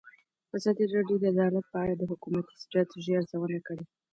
ازادي راډیو د عدالت په اړه د حکومتي ستراتیژۍ ارزونه کړې.